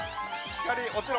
光落ちろ！